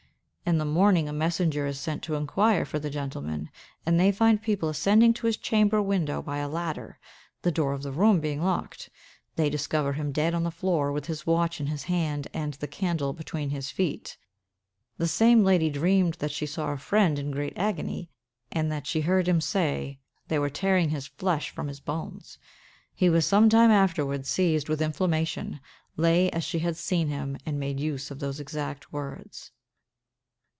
In the morning a messenger is sent to inquire for the gentleman, and they find people ascending to his chamber window by a ladder, the door of the room being locked. They discover him dead on the floor, with his watch in his hand, and the candle between his feet. The same lady dreamed that she saw a friend in great agony, and that she heard him say they were tearing his flesh from his bones. He was some time afterward seized with inflammation, lay as she had seen him, and made use of those exact words.